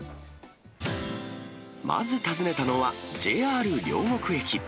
まず訪ねたのは、ＪＲ両国駅。